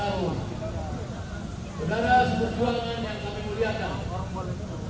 saudara saudara sebuah buangan yang kami muliakan